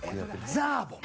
ザーボン。